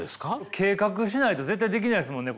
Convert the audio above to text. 計画しないと絶対できないですもんね